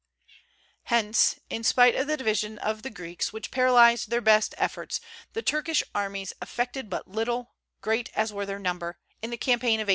Hence, in spite of the divisions of the Greeks, which paralyzed their best efforts, the Turkish armies effected but little, great as were their numbers, in the campaign of 1823.